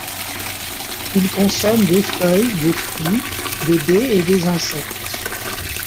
Il consomme des feuilles, des fruits, des baies et des insectes.